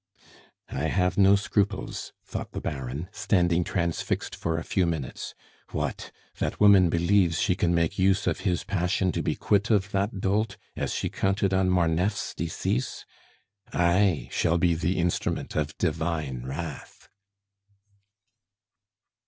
"I have no scruples," thought the Baron, standing transfixed for a few minutes. "What! That woman believes she can make use of his passion to be quit of that dolt, as she counted on Marneffe's decease! I shall be the instrument of divine wrath."